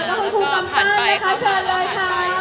แล้วก็คุณครูกำปั้นนะคะ